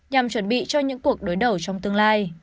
nhằm chuẩn bị cho những cuộc đối đầu trong tương lai